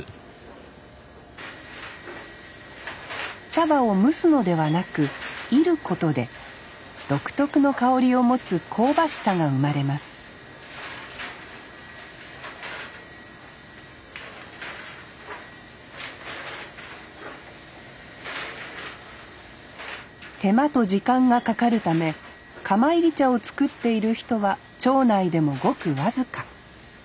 茶葉を蒸すのではなく炒ることで独特の香りを持つ香ばしさが生まれます手間と時間がかかるため釜炒り茶を作っている人は町内でもごく僅か。